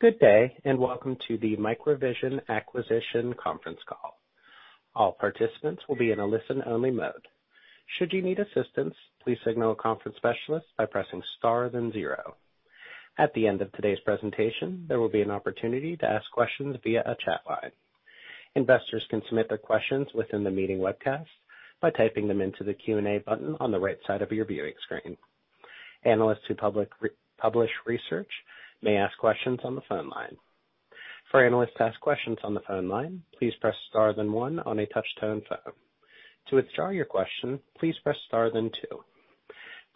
Good day, and welcome to the MicroVision Acquisition conference call. All participants will be in a listen-only mode. Should you need assistance, please signal a conference specialist by pressing star then zero. At the end of today's presentation, there will be an opportunity to ask questions via a chat line. Investors can submit their questions within the meeting webcast by typing them into the Q&A button on the right side of your viewing screen. Analysts who public re-publish research may ask questions on the phone line. For analysts to ask questions on the phone line, please press star then one on a touch-tone phone. To withdraw your question, please press star then two.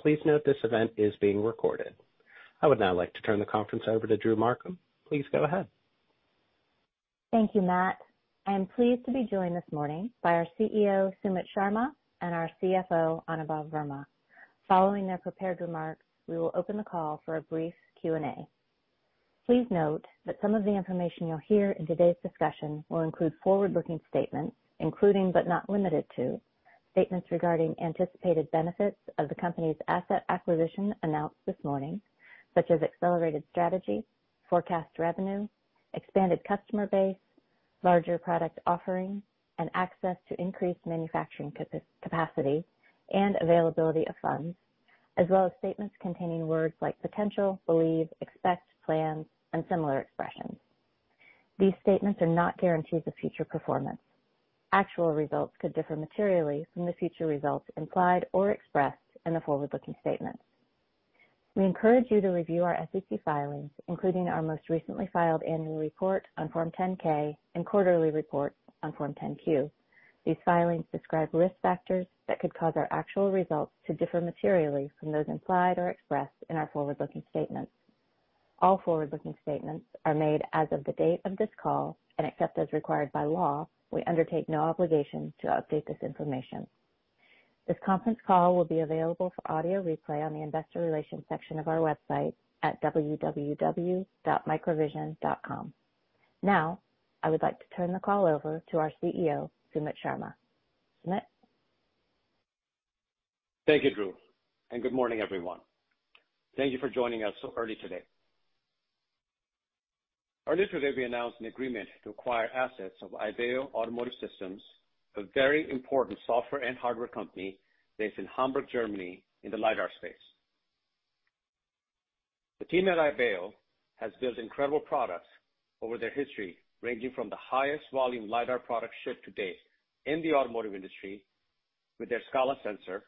Please note this event is being recorded. I would now like to turn the conference over to Drew Markham. Please go ahead. Thank you, Matt. I am pleased to be joined this morning by our CEO, Sumit Sharma, and our CFO, Anubhav Verma. Following their prepared remarks, we will open the call for a brief Q&A. Please note that some of the information you'll hear in today's discussion will include forward-looking statements, including but not limited to, statements regarding anticipated benefits of the company's asset acquisition announced this morning, such as accelerated strategy, forecast revenue, expanded customer base, larger product offering, and access to increased manufacturing capacity, and availability of funds, as well as statements containing words like potential, believe, expect, plan, and similar expressions. These statements are not guarantees of future performance. Actual results could differ materially from the future results implied or expressed in the forward-looking statements. We encourage you to review our SEC filings, including our most recently filed annual report on Form 10-K and quarterly report on Form 10-Q. These filings describe risk factors that could cause our actual results to differ materially from those implied or expressed in our forward-looking statements. All forward-looking statements are made as of the date of this call, and except as required by law, we undertake no obligation to update this information. This conference call will be available for audio replay on the investor relations section of our website at www.microvision.com. Now, I would like to turn the call over to our CEO, Sumit Sharma. Sumit. Thank you, Drew. Good morning, everyone. Thank you for joining us so early today. Earlier today, we announced an agreement to acquire assets of Ibeo Automotive Systems, a very important software and hardware company based in Hamburg, Germany, in the lidar space. The team at Ibeo has built incredible products over their history, ranging from the highest volume lidar products shipped to date in the automotive industry with their SCALA sensor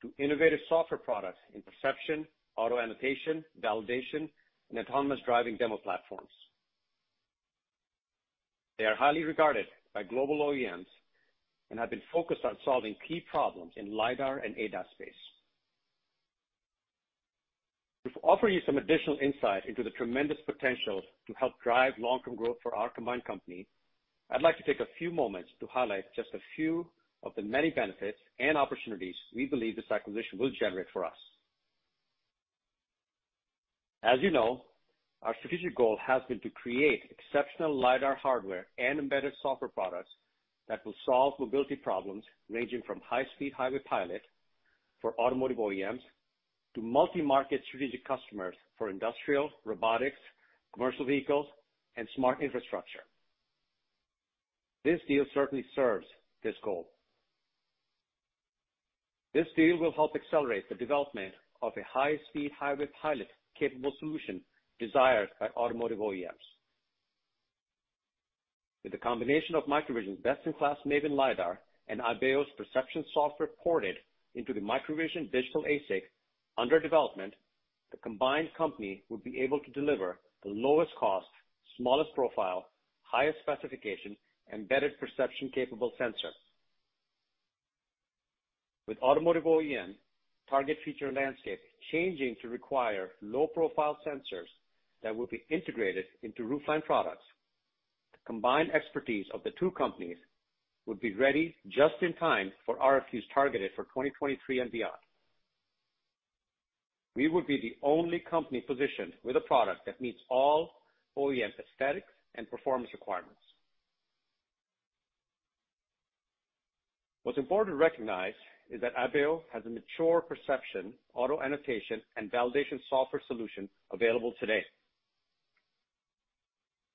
to innovative software products in perception, auto-annotation, validation, and autonomous driving demo platforms. They are highly regarded by global OEMs and have been focused on solving key problems in lidar and ADAS space. To offer you some additional insight into the tremendous potential to help drive long-term growth for our combined company, I'd like to take a few moments to highlight just a few of the many benefits and opportunities we believe this acquisition will generate for us. As you know, our strategic goal has been to create exceptional lidar hardware and embedded software products that will solve mobility problems ranging from high-speed Highway Pilot for automotive OEMs to multi-market strategic customers for industrial, robotics, commercial vehicles, and smart infrastructure. This deal certainly serves this goal. This deal will help accelerate the development of a high-speed Highway Pilot-capable solution desired by automotive OEMs. With the combination of MicroVision's best-in-class Mavin LiDAR and Ibeo's perception software ported into the MicroVision digital ASIC under development, the combined company will be able to deliver the lowest cost, smallest profile, highest specification, embedded perception-capable sensor. Automotive OEM target feature landscape changing to require low-profile sensors that will be integrated into roofline products, the combined expertise of the two companies would be ready just in time for RFQs targeted for 2023 and beyond. We would be the only company positioned with a product that meets all OEM aesthetics and performance requirements. What's important to recognize is that Ibeo has a mature perception, auto-annotation, and validation software solution available today.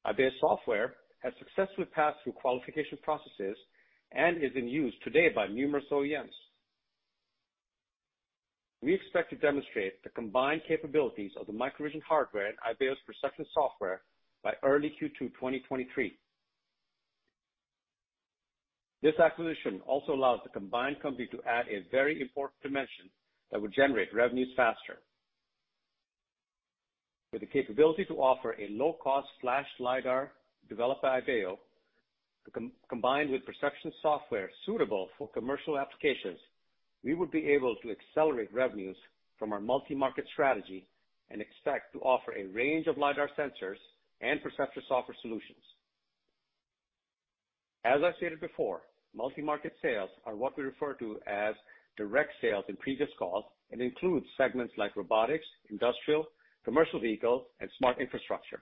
Ibeo's software has successfully passed through qualification processes and is in use today by numerous OEMs. We expect to demonstrate the combined capabilities of the MicroVision hardware and Ibeo's perception software by early Q2 2023. This acquisition also allows the combined company to add a very important dimension that would generate revenues faster. With the capability to offer a low-cost flash lidar developed by Ibeo, combined with perception software suitable for commercial applications, we would be able to accelerate revenues from our multi-market strategy and expect to offer a range of lidar sensors and perception software solutions. As I stated before, multi-market sales are what we refer to as direct sales in previous calls and includes segments like robotics, industrial, commercial vehicles, and smart infrastructure.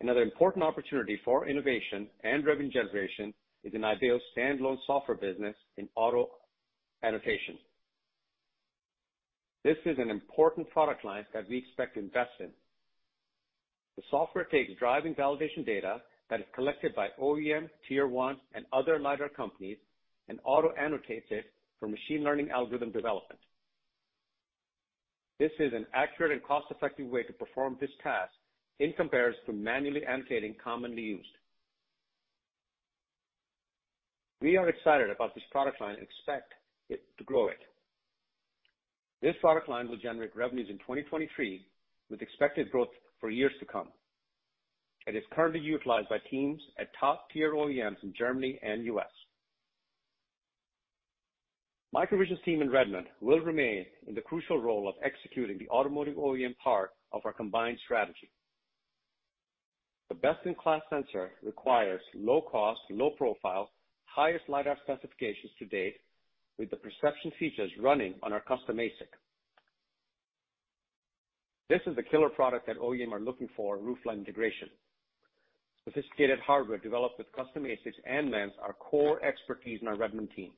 Another important opportunity for innovation and revenue generation is an ideal standalone software business in auto-annotation. This is an important product line that we expect to invest in. The software takes driving validation data that is collected by OEM, tier-one and other lidar companies and auto-annotates it for machine learning algorithm development. This is an accurate and cost-effective way to perform this task in comparison to manually annotating commonly used. We are excited about this product line and expect it to grow it. This product line will generate revenues in 2023 with expected growth for years to come. It is currently utilized by teams at top tier OEMs in Germany and U.S. MicroVision's team in Redmond will remain in the crucial role of executing the automotive OEM part of our combined strategy. The best-in-class sensor requires low cost, low profile, highest lidar specifications to date with the perception features running on our custom ASIC. This is the killer product that OEM are looking for roofline integration. Sophisticated hardware developed with custom ASICs and lens are core expertise in our Redmond team.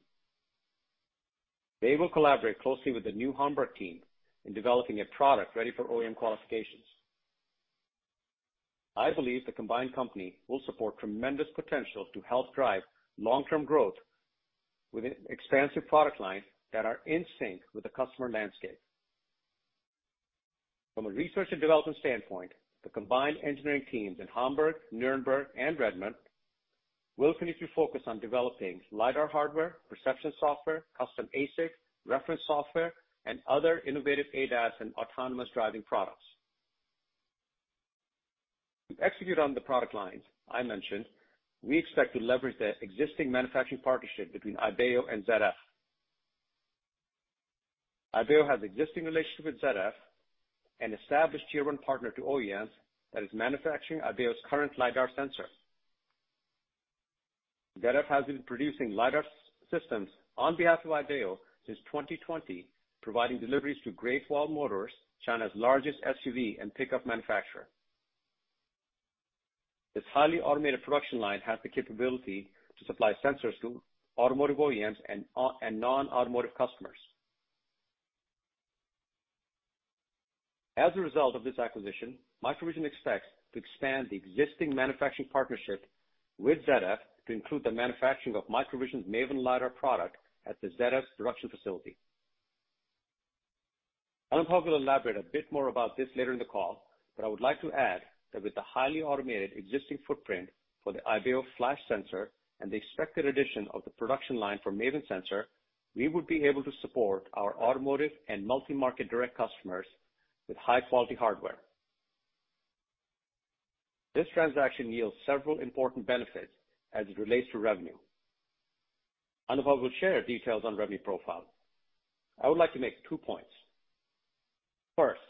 They will collaborate closely with the new Hamburg team in developing a product ready for OEM qualifications. I believe the combined company will support tremendous potential to help drive long-term growth with an expansive product line that are in sync with the customer landscape. From a research and development standpoint, the combined engineering teams in Hamburg, Nuremberg, and Redmond will continue to focus on developing lidar hardware, perception software, custom ASIC, reference software, and other innovative ADAS and autonomous driving products. To execute on the product lines I mentioned, we expect to leverage the existing manufacturing partnership between Ibeo and ZF. Ibeo has existing relationship with ZF, an established tier one partner to OEMs that is manufacturing Ibeo's current lidar sensor. ZF has been producing lidar systems on behalf of Ibeo since 2020, providing deliveries to Great Wall Motors, China's largest SUV and pickup manufacturer. This highly automated production line has the capability to supply sensors to automotive OEMs and non-automotive customers. As a result of this acquisition, MicroVision expects to expand the existing manufacturing partnership with ZF to include the manufacturing of MicroVision's Mavin LiDAR product at the ZF's production facility. Anubhav will elaborate a bit more about this later in the call, I would like to add that with the highly automated existing footprint for the Ibeo flash sensor and the expected addition of the production line for Mavin sensor, we would be able to support our automotive and multi-market direct customers with high-quality hardware. This transaction yields several important benefits as it relates to revenue. Anubhav will share details on revenue profile. I would like to make two points. First,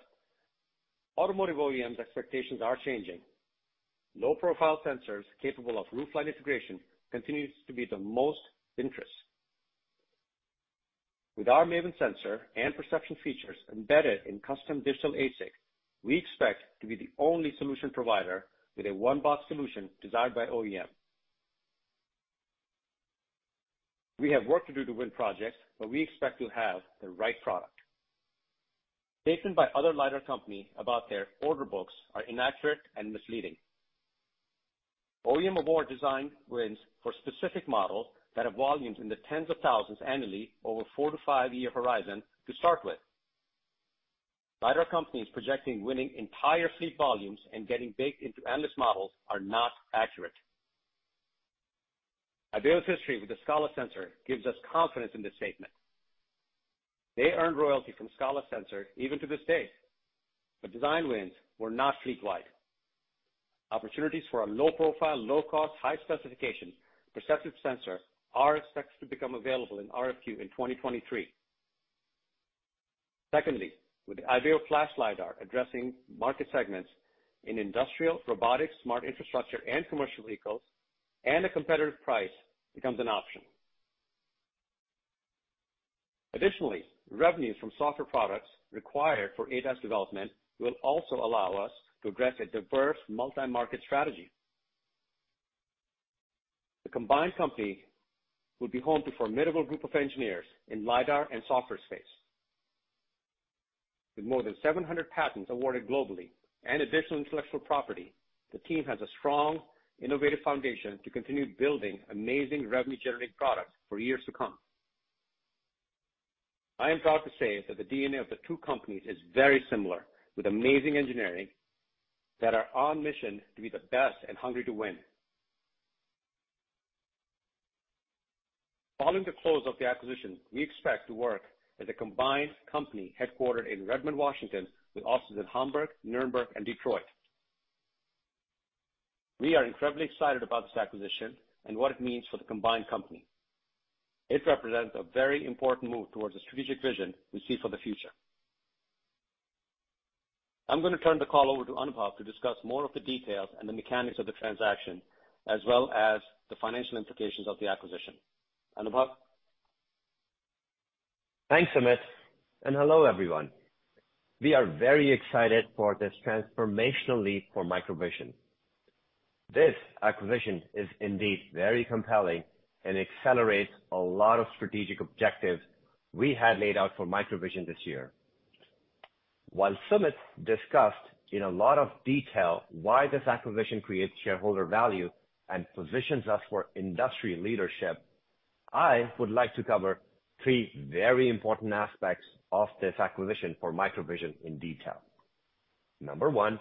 automotive OEMs expectations are changing. Low-profile sensors capable of roofline integration continues to be the most interest. With our Mavin sensor and perception features embedded in custom digital ASIC, we expect to be the only solution provider with a one-box solution desired by OEM. We have work to do to win projects, but we expect to have the right product. Statements by other lidar company about their order books are inaccurate and misleading. OEM award design wins for specific models that have volumes in the tens of thousands annually over four to five year horizon to start with. Lidar companies projecting winning entire fleet volumes and getting baked into endless models are not accurate. Ibeo's history with the SCALA sensor gives us confidence in this statement. They earned royalty from SCALA sensor even to this day, but design wins were not fleet-wide. Opportunities for a low profile, low cost, high specification perceptive sensor are expected to become available in RFQ in 2023. Secondly, with the Ibeo flash lidar addressing market segments in industrial, robotics, smart infrastructure, and commercial vehicles and a competitive price becomes an option. Additionally, revenues from software products required for ADAS development will also allow us to address a diverse multi-market strategy. The combined company will be home to formidable group of engineers in lidar and software space. With more than 700 patents awarded globally and additional intellectual property, the team has a strong innovative foundation to continue building amazing revenue-generating products for years to come. I am proud to say that the DNA of the two companies is very similar, with amazing engineering that are on mission to be the best and hungry to win. Following the close of the acquisition, we expect to work as a combined company headquartered in Redmond, Washington, with offices in Hamburg, Nuremberg and Detroit. We are incredibly excited about this acquisition and what it means for the combined company. It represents a very important move towards the strategic vision we see for the future. I'm gonna turn the call over to Anubhav to discuss more of the details and the mechanics of the transaction, as well as the financial implications of the acquisition. Anubhav? Thanks, Sumit. Hello everyone. We are very excited for this transformational leap for MicroVision. This acquisition is indeed very compelling and accelerates a lot of strategic objectives we had laid out for MicroVision this year. While Sumit discussed in a lot of detail why this acquisition creates shareholder value and positions us for industry leadership, I would like to cover three very important aspects of this acquisition for MicroVision in detail. Number one,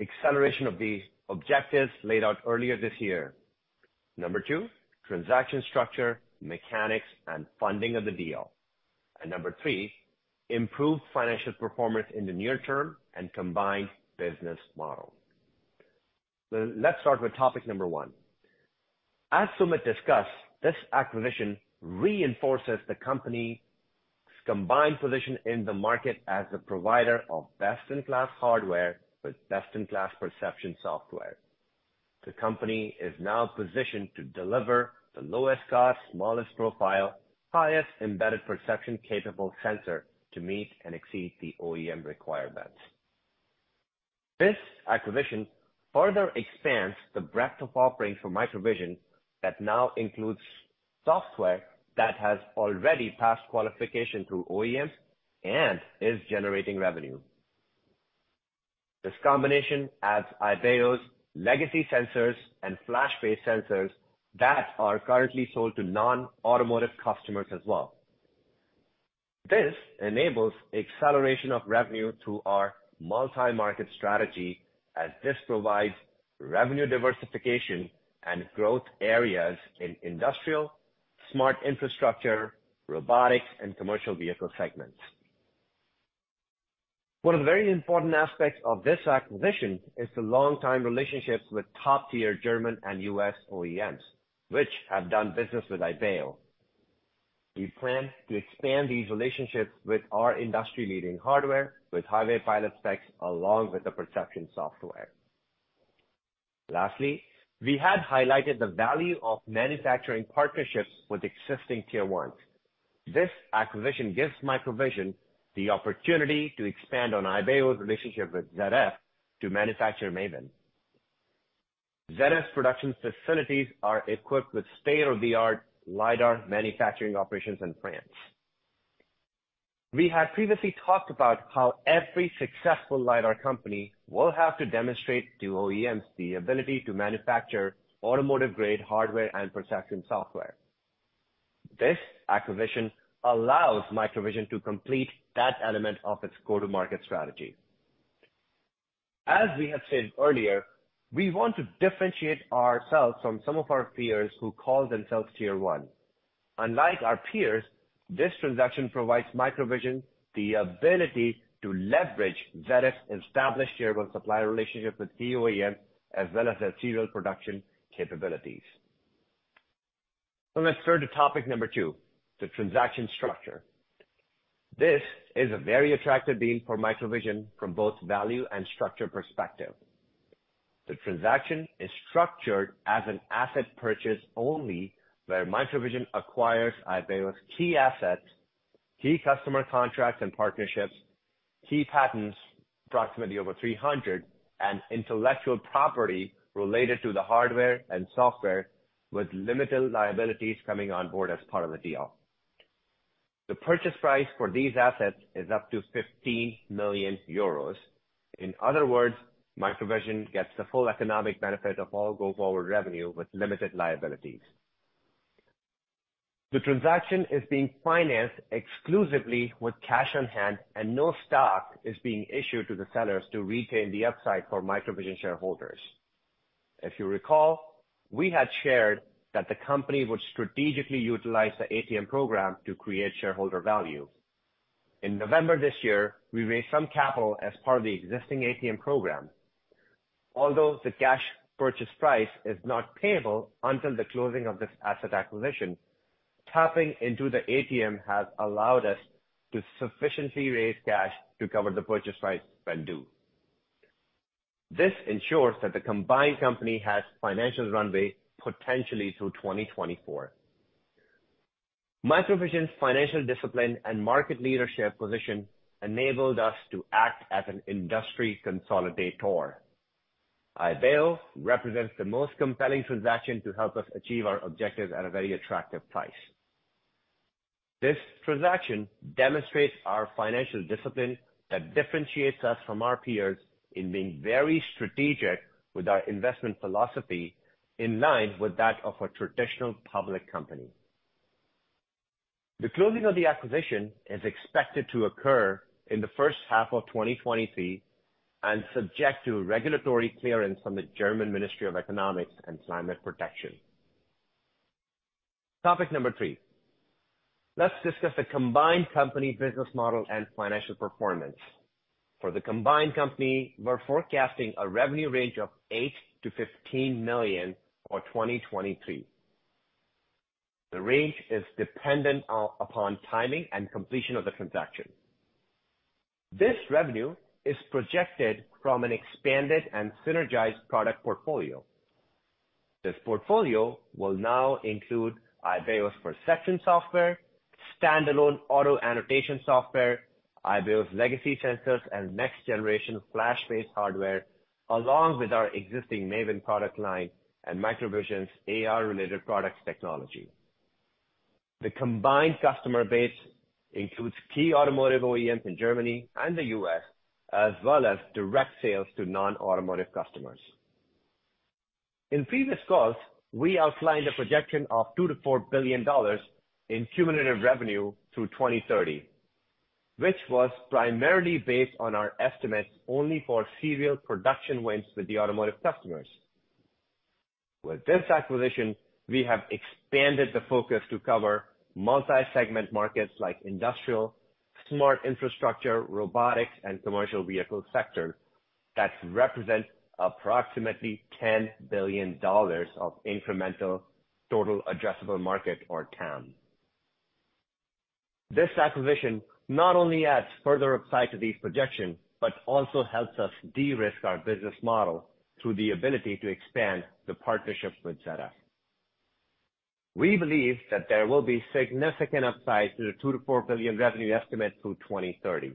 acceleration of the objectives laid out earlier this year. Number two, transaction structure, mechanics, and funding of the deal. Number three, improved financial performance in the near-term and combined business model. Let's start with topic number one. As Sumit discussed, this acquisition reinforces the company's combined position in the market as a provider of best-in-class hardware with best-in-class perception software. The company is now positioned to deliver the lowest cost, smallest profile, highest embedded perception capable sensor to meet and exceed the OEM requirements. This acquisition further expands the breadth of offering for MicroVision that now includes software that has already passed qualification through OEMs and is generating revenue. This combination adds Ibeo's legacy sensors and flash-based sensors that are currently sold to non-automotive customers as well. This enables acceleration of revenue through our multi-market strategy as this provides revenue diversification and growth areas in industrial, smart infrastructure, robotics, and commercial vehicle segments. One of the very important aspects of this acquisition is the long-time relationships with top-tier German and U.S. OEMs, which have done business with Ibeo. We plan to expand these relationships with our industry-leading hardware with Highway Pilot specs along with the perception software. Lastly, we had highlighted the value of manufacturing partnerships with existing tier ones. This acquisition gives MicroVision the opportunity to expand on Ibeo's relationship with ZF to manufacture Mavin. ZF's production facilities are equipped with state-of-the-art lidar manufacturing operations in France. We had previously talked about how every successful lidar company will have to demonstrate to OEMs the ability to manufacture automotive-grade hardware and perception software. This acquisition allows MicroVision to complete that element of its go-to-market strategy. As we have said earlier, we want to differentiate ourselves from some of our peers who call themselves tier one. Unlike our peers, this transaction provides MicroVision the ability to leverage ZF's established tier one supplier relationship with the OEM, as well as their serial production capabilities. Let's turn to topic number two, the transaction structure. This is a very attractive deal for MicroVision from both value and structure perspective. The transaction is structured as an asset purchase only, where MicroVision acquires Ibeo's key assets, key customer contracts and partnerships, key patents, approximately over 300, and intellectual property related to the hardware and software with limited liabilities coming on board as part of the deal. The purchase price for these assets is up to 15 million euros. In other words, MicroVision gets the full economic benefit of all go forward revenue with limited liabilities. The transaction is being financed exclusively with cash on hand. No stock is being issued to the sellers to retain the upside for MicroVision shareholders. If you recall, we had shared that the company would strategically utilize the ATM program to create shareholder value. In November this year, we raised some capital as part of the existing ATM program. Although the cash purchase price is not payable until the closing of this asset acquisition, tapping into the ATM has allowed us to sufficiently raise cash to cover the purchase price when due. This ensures that the combined company has financial runway potentially through 2024. MicroVision's financial discipline and market leadership position enabled us to act as an industry consolidator. Ibeo represents the most compelling transaction to help us achieve our objectives at a very attractive price. This transaction demonstrates our financial discipline that differentiates us from our peers in being very strategic with our investment philosophy in line with that of a traditional public company. The closing of the acquisition is expected to occur in the first half of 2023 and subject to regulatory clearance from the German Ministry for Economic Affairs and Climate Action. Topic number three. Let's discuss the combined company business model and financial performance. For the combined company, we're forecasting a revenue range of $8 million-$15 million for 2023. The range is dependent upon timing and completion of the transaction. This revenue is projected from an expanded and synergized product portfolio. This portfolio will now include Ibeo's perception software, standalone auto-annotation software, Ibeo's legacy sensors, and next generation flash-based hardware, along with our existing Mavin product line and MicroVision's AR-related products technology. The combined customer base includes key automotive OEMs in Germany and the U.S., as well as direct sales to non-automotive customers. In previous calls, we outlined a projection of $2 billion-$4 billion in cumulative revenue through 2030, which was primarily based on our estimates only for serial production wins with the automotive customers. With this acquisition, we have expanded the focus to cover multi-segment markets like industrial, smart infrastructure, robotics, and commercial vehicle sectors that represent approximately $10 billion of incremental total addressable market or TAM. This acquisition not only adds further upside to these projections, also helps us de-risk our business model through the ability to expand the partnerships with ZF. We believe that there will be significant upside to the $2 billion-$4 billion revenue estimate through 2030.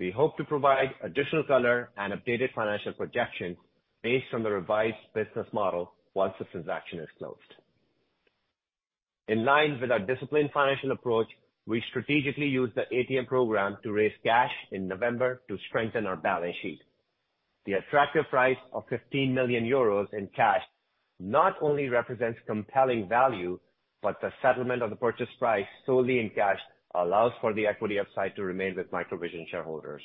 We hope to provide additional color and updated financial projections based on the revised business model once the transaction is closed. In line with our disciplined financial approach, we strategically used the ATM program to raise cash in November to strengthen our balance sheet. The attractive price of 15 million euros in cash not only represents compelling value, but the settlement of the purchase price solely in cash allows for the equity upside to remain with MicroVision shareholders.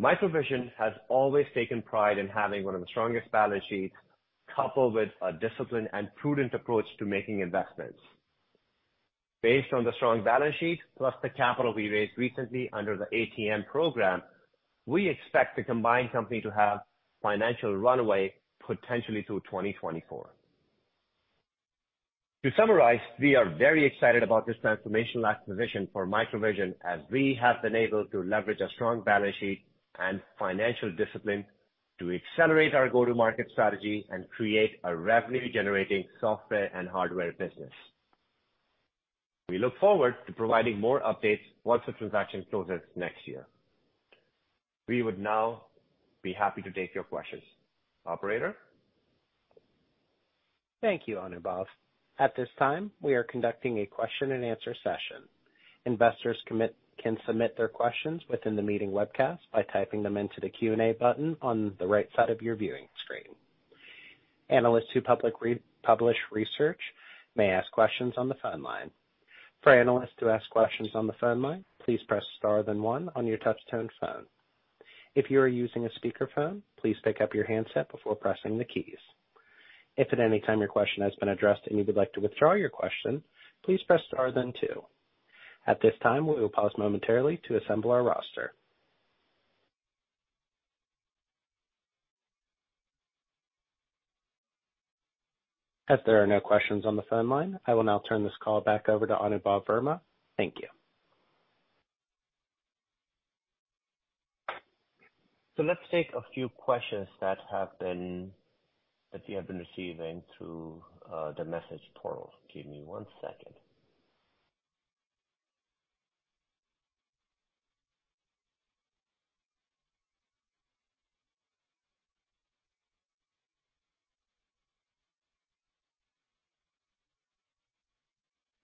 MicroVision has always taken pride in having one of the strongest balance sheets, coupled with a disciplined and prudent approach to making investments. Based on the strong balance sheet, plus the capital we raised recently under the ATM program, we expect the combined company to have financial runway potentially through 2024. To summarize, we are very excited about this transformational acquisition for MicroVision as we have been able to leverage a strong balance sheet and financial discipline to accelerate our go-to-market strategy and create a revenue-generating software and hardware business. We look forward to providing more updates once the transaction closes next year. We would now be happy to take your questions. Operator? Thank you, Anubhav. At this time, we are conducting a question and answer session. Investors can submit their questions within the meeting webcast by typing them into the Q&A button on the right side of your viewing screen. Analysts who publish research may ask questions on the phone line. For analysts to ask questions on the phone line, please press star then one on your touch tone phone. If you are using a speakerphone, please pick up your handset before pressing the keys. If at any time your question has been addressed and you would like to withdraw your question, please press star then two. At this time, we will pause momentarily to assemble our roster. As there are no questions on the phone line, I will now turn this call back over to Anubhav Verma. Thank you. Let's take a few questions that we have been receiving through the message portal. Give me one second.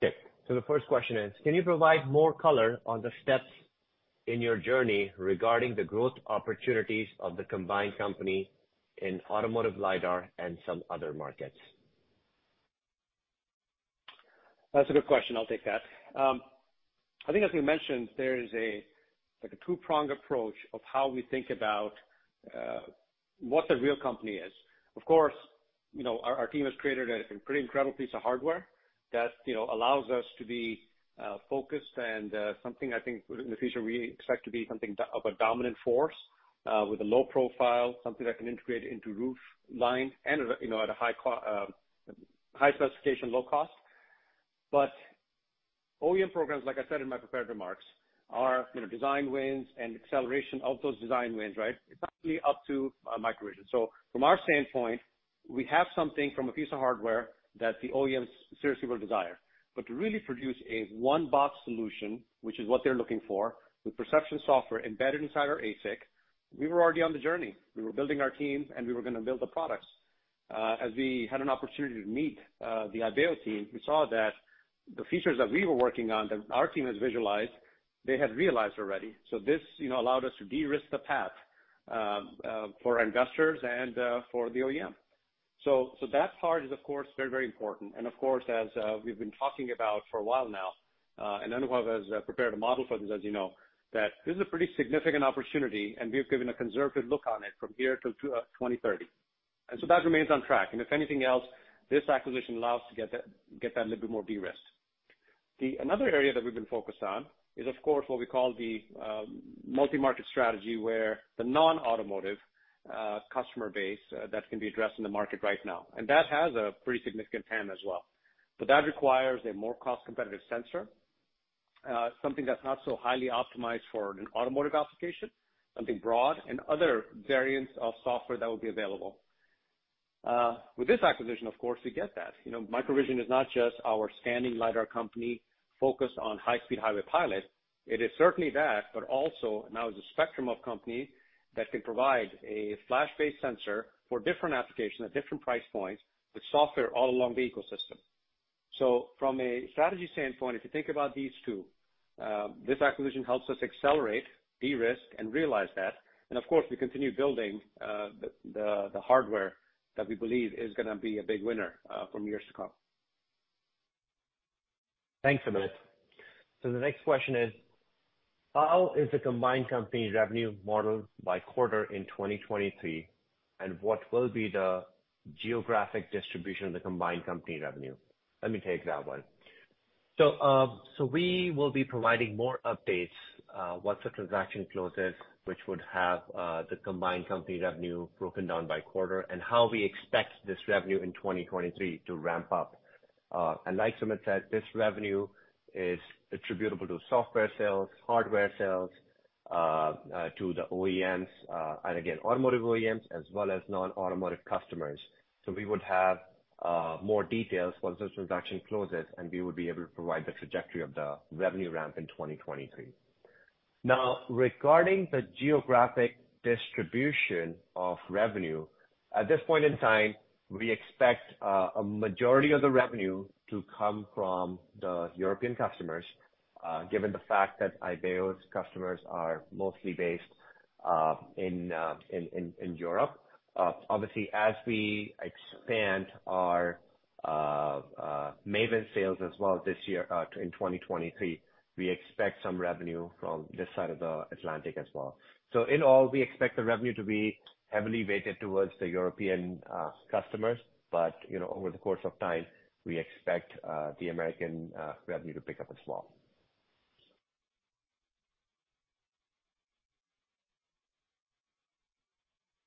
Okay. The first question is, can you provide more color on the steps in your journey regarding the growth opportunities of the combined company in automotive lidar and some other markets? That's a good question. I'll take that. I think as we mentioned, there is a, like, a two-pronged approach of how we think about what the real company is. Of course, you know, our team has created a pretty incredible piece of hardware that, you know, allows us to be focused and something I think in the future we expect to be something of a dominant force with a low profile, something that can integrate into roof line and, you know, at a high specification, low cost. OEM programs, like I said in my prepared remarks, are, you know, design wins and acceleration of those design wins, right? It's actually up to MicroVision. From our standpoint, we have something from a piece of hardware that the OEMs seriously will desire. To really produce a one-box solution, which is what they're looking for, with perception software embedded inside our ASIC, we were already on the journey. We were building our team, and we were gonna build the products. As we had an opportunity to meet, the Ibeo team, we saw that the features that we were working on, that our team has visualized, they had realized already. This, you know, allowed us to de-risk the path for investors and for the OEM. That part is, of course, very, very important. Of course, as, we've been talking about for a while now, and Anubhav has prepared a model for this, as you know, that this is a pretty significant opportunity, and we've given a conservative look on it from here till 2030. That remains on track. If anything else, this acquisition allows to get that, get that a little bit more de-risked. Another area that we've been focused on is, of course, what we call the multi-market strategy, where the non-automotive customer base that can be addressed in the market right now. That has a pretty significant TAM as well. That requires a more cost competitive sensor, something that's not so highly optimized for an automotive application, something broad and other variants of software that will be available. With this acquisition, of course, we get that. You know, MicroVision is not just our standing lidar company focused on high-speed Highway Pilot. It is certainly that, but also now is a spectrum of companies that can provide a flash-based sensor for different applications at different price points with software all along the ecosystem. From a strategy standpoint, if you think about these two, this acquisition helps us accelerate, de-risk, and realize that. Of course, we continue building the hardware that we believe is gonna be a big winner for years to come. Thanks, Sumit. The next question is, how is the combined company revenue modeled by quarter in 2023? What will be the geographic distribution of the combined company revenue? Let me take that one. We will be providing more updates once the transaction closes, which would have the combined company revenue broken down by quarter and how we expect this revenue in 2023 to ramp up. Like Sumit said, this revenue is attributable to software sales, hardware sales to the OEMs, and again, automotive OEMs as well as non-automotive customers. We would have more details once this transaction closes, and we would be able to provide the trajectory of the revenue ramp in 2023. Regarding the geographic distribution of revenue, at this point in time, we expect a majority of the revenue to come from the European customers, given the fact that Ibeo's customers are mostly based in Europe. Obviously, as we expand our Mavin sales as well this year, in 2023, we expect some revenue from this side of the Atlantic as well. In all, we expect the revenue to be heavily weighted towards the European customers, but, you know, over the course of time, we expect the American revenue to pick up as well.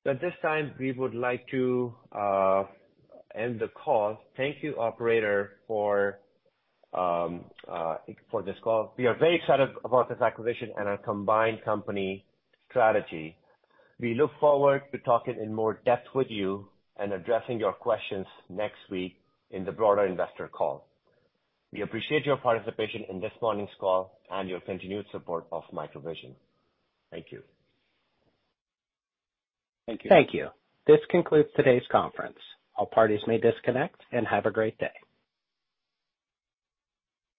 At this time, we would like to end the call. Thank you, operator, for for this call. We are very excited about this acquisition and our combined company strategy. We look forward to talking in more depth with you and addressing your questions next week in the broader investor call. We appreciate your participation in this morning's call and your continued support of MicroVision. Thank you. Thank you. Thank you. This concludes today's conference. All parties may disconnect and have a great day.